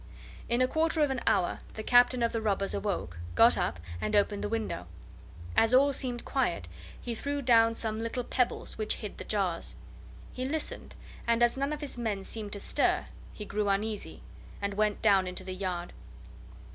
In a quarter of an hour the Captain of the robbers awoke, got up, and opened the window. As all seemed quiet, he threw down some little pebbles which hit the jars. He listened, and as none of his men seemed to stir he grew uneasy, and went down into the yard.